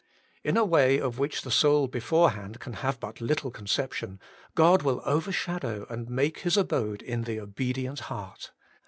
In a way of which the soul beforehand can have but little conception, God will overshadow and make His abode in the obedient heart.